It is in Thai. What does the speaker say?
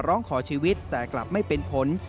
ร้องขอชีวิตแต่กลับไม่เป็นผล